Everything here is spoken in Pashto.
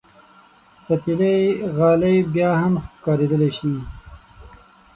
پتېلي غالۍ بیا هم کارېدلی شي.